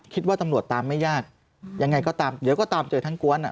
คิดว่าตำรวจตามไม่ยากยังไงก็ตามเดี๋ยวก็ตามเจอทั้งกวนอ่ะ